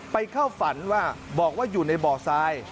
เข้าฝันว่าบอกว่าอยู่ในบ่อทราย